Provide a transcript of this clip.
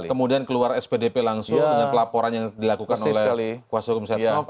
kemudian keluar spdp langsung dengan pelaporan yang dilakukan oleh kuasa hukum setnov